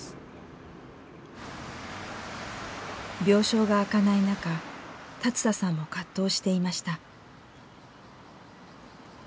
病床が空かない中龍田さんも葛藤していました。